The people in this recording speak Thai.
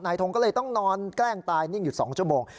ทงก็เลยต้องนอนแกล้งตายนิ่งอยู่๒ชั่วโมง